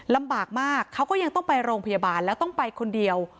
ลำบากมากเขาก็ยังต้องไปโรงพยาบาลแล้วต้องไปคนเดียว